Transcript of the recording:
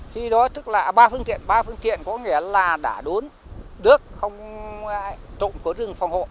khi đó tức là ba phương tiện ba phương tiện có nghĩa là đã đốn nước không trụng của rừng phòng hộ